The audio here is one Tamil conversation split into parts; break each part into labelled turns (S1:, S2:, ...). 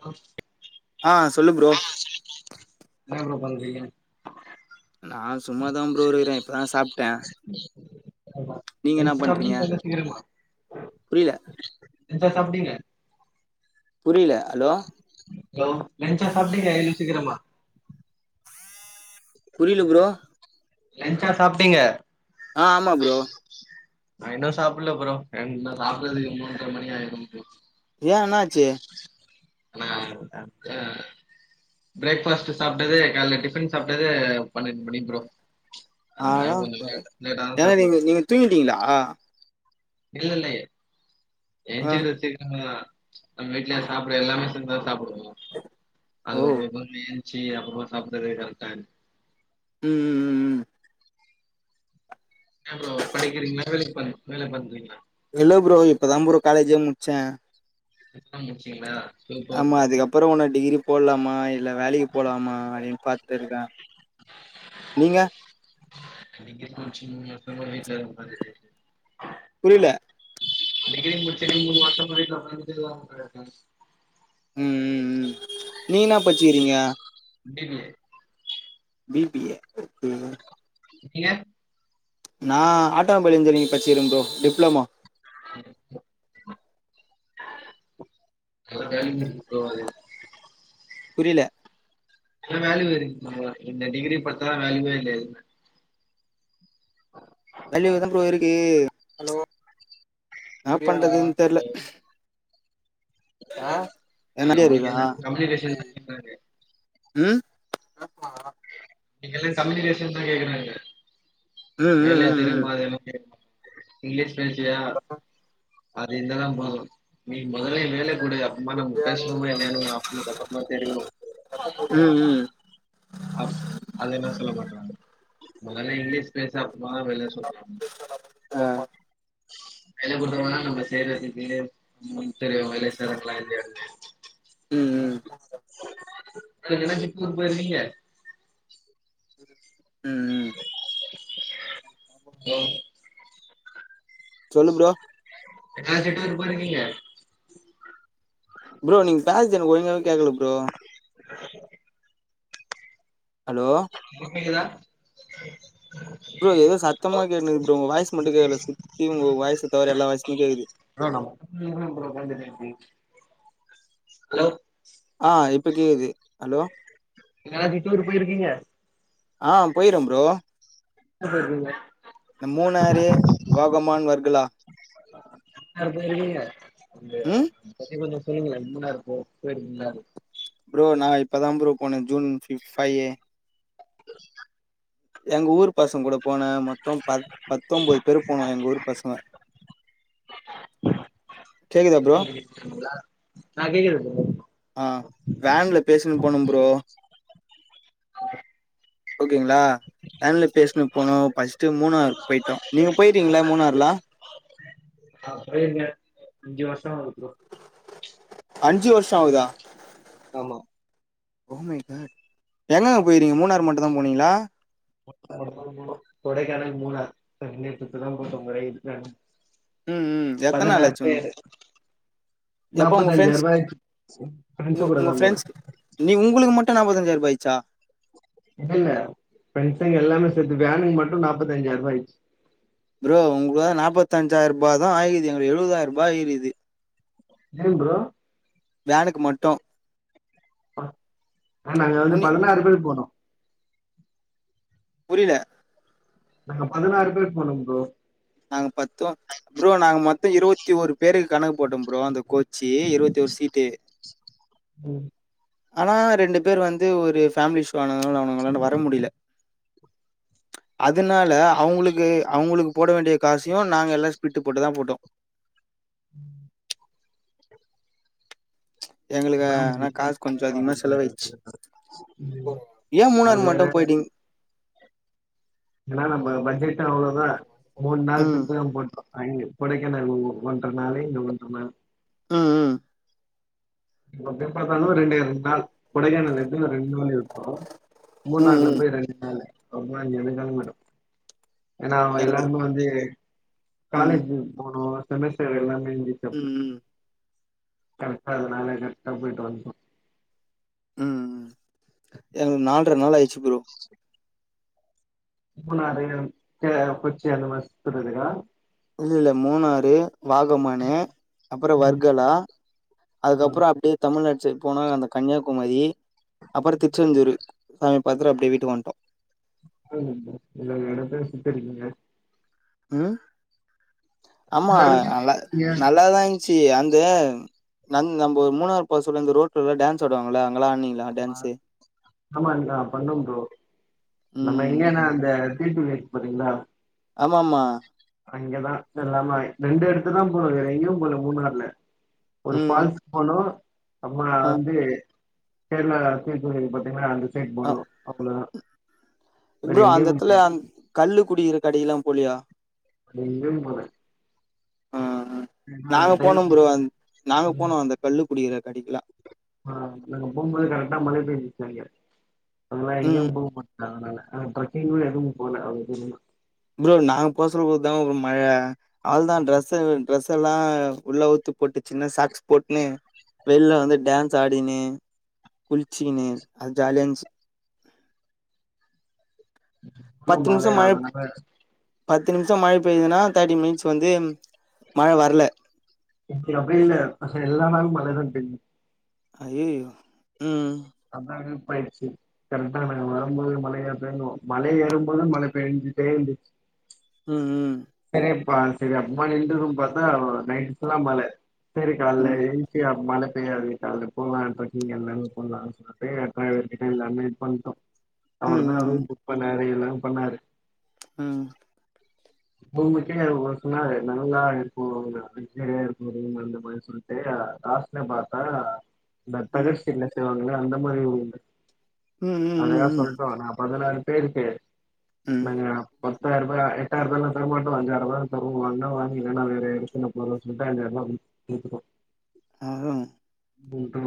S1: ஆ
S2: ஆ சொல்லு ப்ரோ
S1: என்ன ப்ரோ பண்றீங்க
S2: நா சும்மாதா ப்ரோ இருக்றே இப்பதா சாப்ட்டே
S1: ஆமா [unintelligible]
S2: நீங்க என்ன பண்றீங்க புரில
S1: லஞ்சா சாப்டிங்க
S2: புரில ஹலோ
S1: ஹலோ லஞ்சா சாப்டிங்க இவ்ள சீக்கிரமா
S2: புரில ப்ரோ
S1: லஞ்சா சாப்ட்டீங்க
S2: ஆ ஆமா ப்ரோ
S1: நா இன்னு சாப்பில ப்ரோ என் நா சாப்டவே மூன்ர மணி ஆயிரு ப்ரோ
S2: ஏ என்னாச்சு
S1: ஆனா அத் அது பிரேக் பாஸ்ட்டு சாப்ட்டதே கால்ல டிபன் சாப்ட்டதே பன்னெண்டு மணி ப்ரோ
S2: ஆட
S1: அதனால கொஞ்சோ லேட் லேட்டா தா
S2: ஏனா
S1: சாப்டுவோ
S2: நீங்க நீங்க தூங்கிட்டீங்களா
S1: இல்ல இல்லயே ஏன்ச்சிருவே சீக்கிறமா எங்க வீட்ல சாப்ட எல்லாமே சேந்து தா சாப்டுவோ அது
S2: ஓ
S1: ஒரு மாரி சி அப்றோ சாப்ட்டாவே கரெட்டாயிர்து
S2: ம் ம் ம்
S1: ஏ ப்ரோ படிக்கிறீங்களா வேலைக் போறிங் வேல பண்றீங்ளா
S2: இல்ல ப்ரோ இப்ப தா ப்ரோ காலேஜே முடிச்சே
S1: இப்ப முடிச்சுங்கிளா
S2: ஆமா அதுக்கப்புறோ உன்ன டிகிரி போல்லாமா இல்ல வேலைக்கு போலாமா அப்படின் பாத்துருக்கே நீங்க
S1: நீங்க கோச்சிங்க எப்ப வீட்ல இருக்க [inaudible]
S2: புரில
S1: டிகிரி முடிச்சிட்டு நீங்க வாட்ஸ்அப் வீட்ல உக்காந்துட்டு [inaudible]
S2: ம் ம் ம் நீ என்ன பச்சிக்கிறீங்க
S1: M B B A
S2: B B A
S1: நீங்க
S2: நா ஆட்டோமொபைல் இன்ஜினிரிங் பச்சிரும் ப்ரோ டிப்ளமோ
S1: [unintelligible]
S2: புரில்ல
S1: இவ வேலில்ல இரு ப்ரோ இந்த டிகிரி பாத்தா வேல்யூவே கிடையாது
S2: வலி இவ்ளோ தா ப்ரோ இருக்கு அலோ னா பண்றதுன் தெர்ல ஆ என்ன நெறைய
S1: நம்மளுக்கு
S2: இருக்குதா
S1: எல்லா
S2: தா
S1: கம்யூனிகேஷன் தான் கேக்குறாங்க
S2: ம்
S1: நீங்க எல்லா சம்யூனிகேஷன் தா கேக்குறாங்க
S2: ம் ம்
S1: வேலைய
S2: ம்
S1: தெரியுமா அத [inaudible] கே இங்கிலீஷ் பேசுவியா அது இருந்ததா போது நீ மொதல்ல வேலை குடு ஆமா நம்ம பேஸ்னம்மா இல்லையானு ஃஆப்னர் அப்பறமா தெரியு
S2: ம் ம்
S1: அ அது என்ன சொல்ல மாற்றாங்க மொதல்ல இங்கிலீஷ் பேசு அப்புறமாதா வேலையே சொல்லுவே
S2: ஆ
S1: வேலை கொடுத்தா தான நம்ம செய்றதுக்கு சரி வேலை செய்றாங்களா இல்லையா தெரியு
S2: ம் ம்
S1: முன்ன பின்ன திர்ப்பூர் போயிருக்கீங்க
S2: ம்
S1: ஓ
S2: சொல்லு ப்ரோ
S1: எங்காச்சு டூர் போய்ருக்கீங்க
S2: ப்ரோ நீங்க பேஸ்து எனக்கு ஒழுங்காவே கேக்கல ப்ரோ அலோ
S1: ப்ப கேக்குதா
S2: ஃப்ரோ எதோ
S1: ஹலோ
S2: சத்தமா கேட்னுது ப்ரோ உங்க வாய்ஸ் மட்டு கேக்கல சுத்தி உங்க வாய்ஸ் தவற எல்லா வாய்ஸ்சு கேக்குது
S1: ப்ரோ நா [unintelligible] அலோ
S2: ஆ இப்ப கேக்குது ஹலோ
S1: எங்காச்சு டூர் போயிருக்கீங்க
S2: ஆ போயிறோ ஃப்ரோ
S1: எங்க போயிருக்கீங்க
S2: இந்த மூணாறு போகமான் வர்களா
S1: அடுத்தது நீங்க
S2: ம்
S1: பத்தி கொஞ்சோ சொல்லுங்கலே மூன்னாரு போ போயிருக்கீங்களா
S2: ப்ரோ நா இப்பதா ப்ரோ போனே ஜூன் ஃபையி
S1: புரியில
S2: எங்க ஊர் பசங்க கூட போன மொத்தொ ப பத்தொம்பொது பேரு போனோ எங்க ஊர் பசங்க கேக்குதா ப்ரோ
S1: ஆ கேக்குது ப்ரோ
S2: ஆ வேன்ல பேசின்னு போனோ ஃப்ரோ ஓகேங்களா வேன்ல பேசினு போனோ பஸ்ட்டு மூணார் போயிட்டோ நீங்க போயிறிக்கீங்ளா மூணார்லா
S1: நா பேயிருக்கே அஞ்சு வர்ஷோ ஆவுது ப்ரோ
S2: அஞ்சு வருஷோ ஆவுதா
S1: ஆமா
S2: ஓ மை காட் எங்கங்க போயிறீங்க மூணாறு மட்டு தா போனீங்ளா
S1: [inaudible] கொடைக்கானல் மூணார் [unintelligible]
S2: ம் ம் எத்தன நாள்
S1: பதனாறு
S2: ஆச்சு உங்களுக்கு
S1: பேரு
S2: எப்போ உங்க
S1: நாப்பத்தஞ்சாயி
S2: ஃப்ரெண்ட்ஸ்
S1: ரூபா ஆயிச்சி ஃப்ரெண்ஸு
S2: உங்க
S1: கூட
S2: உங்க
S1: தா போனே
S2: ஃப்ரெண்ட்ஸ் நீ உங்குளுக்கு மட்டு நாப்பதஞ்சாயிருபா ஆய்ச்சா
S1: இல்ல இல்ல ஃப்ரெண்ட்ஸ்ங்க எல்லாமே சேத்து வேனுக்கு மட்டு நாப்பத்தஞ்சாயிரூபா ஆய்ச்சி
S2: ஃப்ரோ உங்களுக்கு தா நாப்பத்தஞ்சாயி ரூபா தா ஆயிக்குது எங்களுக்கு எழுபதாய ரூபா ஆயிக்குது
S1: ஏ ஃப்ரோ
S2: வேனுக்கு மட்டு
S1: ஆ நாங்க வந்து
S2: உன்னி
S1: பதினாறு பேரு போனோ
S2: புரில
S1: நாங்க பதினாறு பேர் போனோ ஃப்ரோ
S2: நாங்க பத்தூ ஃப்ரோ நாங்க மொத்தொ இருவத்தி ஓரு பேருக்கு கணக்கு போட்டோ ஃப்ரோ அந்த கோச்சி இருவத்தோரு சீட்டு
S1: ம்
S2: ஆனா ரெண்டு பேர் வந்து ஒரு ஃபேம்லி இஷ்யூ ஆனதுனால அவுனுங்களால வர முடில அதுனால அவுங்களுக்கு அவங்களுக்கு போட வேண்டிய காசையு நாங்க எல்லா சேத்து போட்டு தா போட்டோ
S1: ம்
S2: எங்களுக்கு ஆனா காசு கொஞ்ச அதிகமா செலவா ஆயிரிச்சி ஏன்
S1: அது
S2: மூணாறு
S1: வேற
S2: மட்டு போய்டீங்
S1: ஏன்னா நம்ம பட்ஜெட்டூ அவ்ளோதா மூண் நாள்
S2: ம்.
S1: ட்ரிப்பதா போட்டோ அங்க கொடைக்கானல் ஒன்ற நாள் இந்க ஒன்ற நாளு
S2: ம் ம்
S1: எப்டி பாத்தாலு ரெண்டே ரெண்டு நாள் கொடைகானல் ரெண்டு [unintelligible]
S2: ம்,
S1: மூணார்ல
S2: ம்.
S1: போய் ரெண்டு நாள் [unintelligible] ஏன்னா
S2: எனக்கு
S1: எல்லாருமே வந்து
S2: ம்,
S1: காலேஜி போனு செமஸ்டர் எல்லாமேந்து
S2: ம் ம்
S1: கரட்டா இருந்ததனால கரட்டா போயிட்டு வன்ட்டோ
S2: ம் எங்களுக்கு நால்ற நாள் ஆயிடிச்சு ப்ரோ
S1: மூனாறு [unintelligible] கொச்சி அந்த மாரி சுத்தறதுக்கா
S2: இல்ல இல்ல மூணாறு வாகமானு அப்பறம்
S1: ம்
S2: வர்கலா அதுக்கப்பறம் அப்டியே தமிழ்நாடு சைட் போனா அந்த கன்னியாகுமரி அப்பறொ திருச்செந்தூரு சாமி பாத்துட்டு அப்டியே வீட்டுக் வந்ட்டோ
S1: [unintelligible] எல்லா எடத்தையு சுத்திருக்கிங்க
S2: ம் ஆமா
S1: எல்லா எடத்தையு
S2: நல்
S1: நீங்க
S2: நல்லாதா இரு சி அந்த நம்ப ஒரு மூணாறு பேரச்சுல சொல்ல இந்த ரோட்ல டான்ஸ் ஆடுவாங்களா அங்கல்லா ஆட்னீங்களா
S1: ஆமா‌ ந பண்ண ப்ரோ நம்ம
S2: ம்
S1: எங்கன்னா அந்த தீட்டு வீட் பாத்திங்களா
S2: ஆமா மா
S1: அங்கேதா எல்லாமே ரெண்டு எடத்துதா போனோ வேற எங்கியு போல மூணாற்ல ஒரு
S2: ம்
S1: ஃபால்ஸ் போனோ அப்புறோ
S2: ஆ
S1: வந்து கேர்ள சேக்கு இருக்கு பாத்தீங்கல்லா அது
S2: ஆ
S1: சேக்பானு அப்பலா
S2: ப்ரோ அந்த எத்துல கல்லு குடிக்கிற கடைக்ல்லா போலியா
S1: எங்கியு போல
S2: ஆ
S1: ஏன்னா அந்த
S2: நாங்க போனோ
S1: டைம்ல
S2: ப்ரோ நாங்க போனோ அந்த கல்லு குடிக்கிற கடைக்கலா
S1: ஆ நாங்க போம்போது கரெக்டா மழை பேஞ்சுச்சு அங்க அதால எங்கேயு
S2: ம்
S1: போ மாட் ஆ அதனால ட்ரெக்கிங் எதும் போல அ [unintelligible]
S2: ப்ரோ நாங்க போ சொல்லோதா ப்ரோ மழ அது தா ட்ரெஸ்ஸு ட்ரெஸ் எல்லா உள்ள அவ்த்து போட்டு சின்ன சாக்ஸ் போட்ன்னு வெள்ல வந்து டான்ஸ் ஆடினு குளிச்சின்னு அது ஜாலியா இருன்ச்சு
S1: இன்னு
S2: பத்து
S1: மழை
S2: நிமிஷம் மழ
S1: அதனால
S2: பத்து நிமிஷோ மழ பெய்துன்னா தேர்ட்டி மினிட்ஸ் வந்து மழ வர்ல
S1: இங்க அப்டி இல்ல வந்த எல்லா நாளு மழைதா பேஞ்சுது
S2: அய்யய்யோ ம்
S1: அதா ஹெல்ப்பாயிடுச்சு கரெக்டா நாங்க வரும்போது மழைய ஏ மல ஏறும் போது மழ பேஞ்சிட்டே இருந்துச்சு
S2: ம் ம்
S1: சரிப்பா சரி அப்பமா நின்றும் பாத்தா நைட்டு ஃபுல்லா மழ சரி கால்ல
S2: ம்
S1: ஏன் எப்டி அப் மழ பெய்யாது கால்ல போலா ட்ரக்கிங் எல்லாமே போலா அப்பே அட்சர கிட்ட எல்லாமே இது பண்டோ அவர் தா
S2: ம் ம்
S1: ரூம் புக் பண்ணாரு எல்லாம் பண்ணாரு
S2: ம்
S1: மூனுமணிக்கே அவரு சொன்னாரு நல்லா இருக்கு லக்ஜரியா இருக்கு ரூம் அந்த மாரி சொன் டேயா லாஸ்ட்ல பாத்த இந்த
S2: ம் ம்
S1: தகர் சிட்ல செய்வாங்கல்ல அந்த மாரி உண்டு
S2: ம்
S1: அததா
S2: ம்
S1: சொ
S2: ம்
S1: நண்பா நா பதினாரு பேருக்கு
S2: ம்
S1: நாங்க பத்தாயிர ருபா எட்டாயிருபா லா தரமாட்டோ அஞ்சாயிரருபாதா தருவோ வேன்னா வாங்கிகோ இல்லைன்னா வேற யார் ஆச்சும் [unintelligible] கேட்டுக்கோ
S2: அதா
S1: வுண்டோ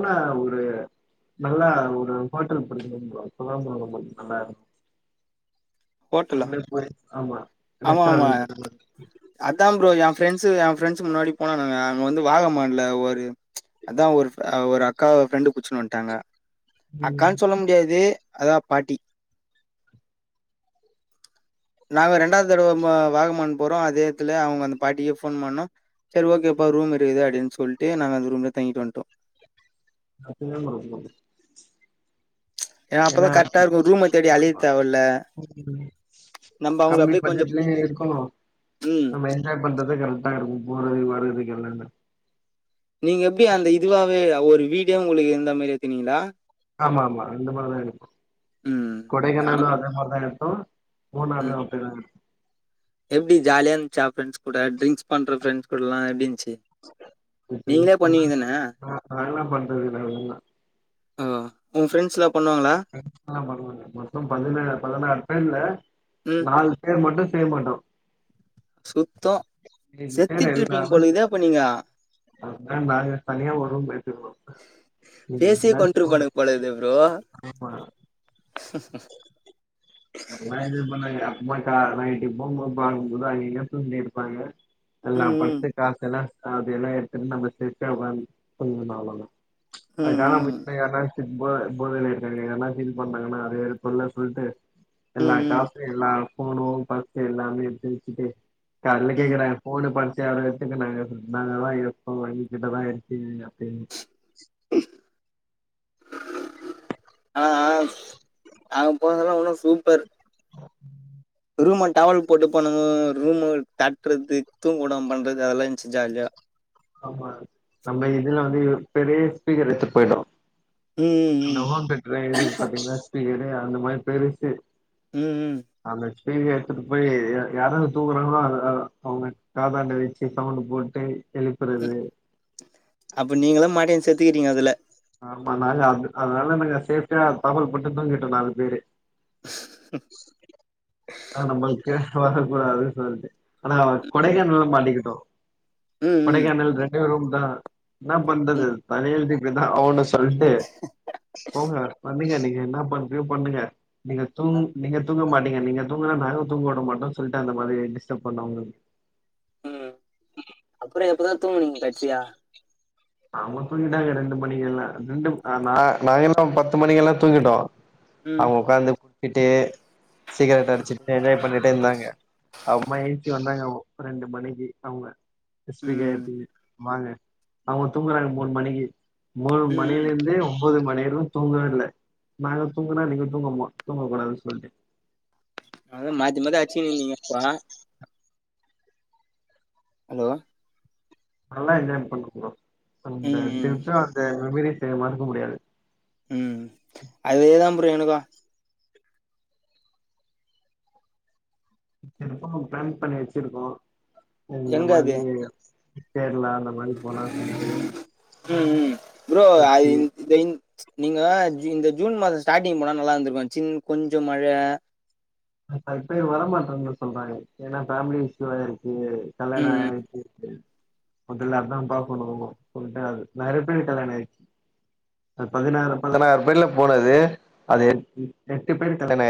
S1: ஆனா ஒரு நல்லா ஒரு ஹோட்டல் புடிக்கனு ப்ரோ அப்பதா ப்ரோ ரொம்ப நல்லா இருக்
S2: ஹோட்டலா
S1: அவங்களே போய் ஆமா
S2: ஆமா ஆமா
S1: ரெஸ்டாரன்ட்
S2: அதா ப்ரோ எ ஃரெண்ட்ஸு எ ஃப்ரெண்ட்ஸ் முன்னாடி போனானுங்க அங்க வந்து வாக மான்ல ஒரு அதா ஒரு ஒரு அக்கா கண்டு புடிச்சுனு வன்ட்டாங்க
S1: ம்
S2: அக்கான்னு சொல்ல ஏது அதா பாட்டி நாங்க ரெண்டாவது தடவ ம வாகமண் போறோ அதேத்துல அவுங்க அந்த பாட்டிக்கே ஃபோன் பண்ணோ சரி ஓகேப்பா ரூம் இருக்குது அப்டின்னு சொல்ட்டு நாங்க அந்த ரூம்லே தங்கிட்டு வன்ட்டோ
S1: [unintelligible]
S2: ஏ அப்பதா
S1: ஏன்னா
S2: கரெக்டா இருக்கு ரூம்ம தேடி அலைய தேவல்ல நம்ம அவங்கள
S1: கம்மி
S2: அப்படியே கொஞ்சம்
S1: பட்ஜெட்லயு இருக்கோ
S2: ம்.
S1: நம்ம எ ஷேர் பண்றதுக் கரெக்டா இருக்கு போறது வர்றதுக் எல்லாமே
S2: நீங்க எப்டி அந்த இதுவாவே ஒரு வீடே உங்களுக்கு இந்த மாரி எத்துனிங்ளா
S1: ஆமா ஆமா அந்த மாரிதா எடுத்தோ
S2: ம். நான்
S1: கொடைக்கானல்ல அதே மாரி தா எடுத்தோ மூனார்ல அப்டிதாங்க
S2: எப்டி ஜாலியா இருந்துச்சா ஃபிரெண்ட்ஸ் கூட ட்ரிங்க்ஸ் பண்ற ஃபிரெண்ட்ஸ் கூடல்லா எப்டி இருந்துச்சு நீங்களே பண்ணுவீங்க தானே?
S1: அதல்லா பண்றது இல்ல
S2: அதா உன் ஃப்ரெண்ட்ஸ்லா
S1: ஃப்ரெண்ட்ஸ்லா பண்ண மாட்டாங்க மொத்தோ பதினேழு பதினாறு பேர்ல
S2: ம்.
S1: நாலு பேர் மட்டு செய்ய மாட்டோ
S2: சுத்தோ
S1: ஏழு
S2: செத்துட்டு இருப்பிங்க போல இருக்குதே அப்போ
S1: அதா டார்கெட் பண்ணியே ஒரு ரூம் எடுத்துக்குனோ
S2: பேசியே கொண்ட்ருப்பானுங்க போலக்கிதே ப்ரோ
S1: அ அதெல்லா எது [unintelligible] நைட்டு போம்போது பாருங்க அங்க இங்கயு தூங்கினு இருப்பாங்க எல்லா
S2: ம், ம்.
S1: பர்ஸு காசு எல்லா சாவி எல்லா எடுத்துன்னு நம்ம சேஃப்ட்டியா உக்காந்து தூங்கணு அவ்ளோதா
S2: ம்
S1: அது கானாம்
S2: ம்
S1: போச்சின்னா யார்னா போ போதையில இருக்கவங்க யார்னா ஃபீல் பண்டாங்கன்னா அது வேற தொல்ல சொல்ட்டு எல்லா
S2: ம் ம்
S1: காசு எல்லா ஃபோனு பர்ஸ்ஸு எல்லாமே எத்து வெச்சிட்டு கால்ல
S2: ம்
S1: கேக்குறாங் ஃபோனு பர்ஸ்ஸு யாரோ எத்துக்குனாங்க சொல்ட்டு நாங்க தா எத்தோ எங்க கிட்ட தா இருக்குது அப்டின்
S2: அ அங்க போனதுல்லா இன்னு சூப்பர் ரூம்ம டவல் போட்டு பானுங்கோ ரூம்ம தட்றது தூங்கவுடாம பண்றது அதெல்லா இருந்ச்சு ஜாலியா
S1: ஆமா நம்ம இதுல வந்து பெரிய ஸ்பீக்கர் எடுத்துட்டு போயிட்டோ
S2: ம் ம்
S1: அந்த ஹோம் தேட்டர் இருக்கு பாத்தீங்களா ஸ்பீக்கரு அந்த மாரி பெருசு
S2: ம் ம்
S1: அந்த ஸ்பீக்கர் எத்துட்டுப் போய் யாராவது தூங்கறாங்ளோ அ அ அவுங்க காதாண்ட வெச்சி சவுண்டு போட்டு எழுப்புறது
S2: ம் அப்ப நீங்களு மாட்டிகினு செத்து இருக்கீங்க அதுல
S1: ஆமா நாங்க அது அதனால நாங்க சேஃப்டியா தாப்பாலு போட்டுன் தூங்கிட்டோ நாலு பேரு அ நம்மளுக்கு கேஸ் வரக்கூடாது சொல்ட்டு ஆனா
S2: ம்
S1: கொடைக்கானல்ல மாட்டிக்கிட்டோ
S2: ம் ம்
S1: கொடைக்கானல் ரெண்டே ரூம் தா என்னா பண்றது
S2: ம்
S1: தலை எழுத்தே இருந்து தா ஆவணு சொல்ட்டு போங்க பண்ணுங்க நீங்க என்ன பண்றியோ பண்ணுங்க நீங்க
S2: ஆ
S1: தூங் நீங்க தூங்க மாட்டீங்க நீங்க தூங்கினா நாங்க தூங்க உட மாட்டோ சொல்லிட்டு அந்த மாரி டிஸ்டர்ப் பண்ணோ அவுங்களுக்
S2: ம் அப்றோ எப்பதா தூங்குனீங்க கடைசியா
S1: அவுங்க தூங்கிட்டாங்க ரெண்டு மணிக்கல்லா ரெண்டு நா நாங்க எல்லா பத்து மணிக்கெல்லா தூங்கிட்டோ
S2: ம்
S1: அவுங்க உக்காந்து குடிச்சிட்டு சிகரெட் அடிச்சுட்டு என்ஜாய் பண்ணிட்டு இருந்தாங்க அப்புறமா எஞ்ச்சி வந்தாங்க அப்ப ரெண்டு மணிக்கு அவுங்க ஸ்பீக்கர்
S2: ம்
S1: எத்துன்னு வாங்க அவுங்க தூங்குறாங்க மூணு மணிக்கு மூணு
S2: ம்
S1: மணியிலந்து ஒம்பது மணி வரையிலு தூங்கவே இல்ல நாங்க தூங்குனா நீங்க தூங்க மா தூங்கக்கூடாதுன்னு சொல்ட்டு
S2: அதா மாத்தி மாத்தி அச்சின்னுந்தீங்க அப்போ ஹலோ
S1: நல்லா என்ஜாய் பண்ணோம் ப்ரோ அந்த
S2: ம்
S1: [unintelligible] மறக்க முடியாது
S2: ம் அதே தான் ப்ரோ எனக்கு
S1: திருப்வு பிளேன் பண்ணி வச்சிருக்கோ இந்த
S2: எங்க அது
S1: மாரி கேரளா அந்த மாரி போல சொல்ட்டு பத்தி
S2: இதேங் நீங்க இந்த ஜூன் மாச ஸ்டார்ட்டிங் போனா நல்லா இருந்துருக்கு சின் கொஞ்ச மழ
S1: நா இப்பயே வரமாட்டேன் தா சொல்றாங்க ஏனா ஃபேமிலி இதுவா இருக்கு கல்யாண
S2: ம்
S1: ஆயிச்சி [unintelligible] முதல்ல அதா பாக்கணு சொல்லிட்ட அது ந நெறைய பேர் கல்யாண ஆயிச் அது பதுனாறு பதனாறு பேர்ல போனது அது எ எட்டு பேரு கல்யாண ஆட்